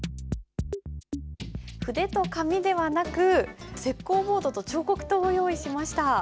筆と紙ではなく石こうボードと彫刻刀を用意しました。